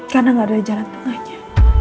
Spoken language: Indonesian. karena gak ada jalan tengahnya